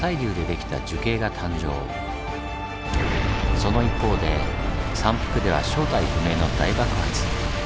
その一方で山腹では正体不明の大爆発。